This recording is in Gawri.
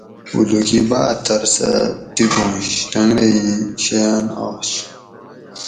اولوکی باترسہ ٹیپنش ٹنگرہ ئے سیان آش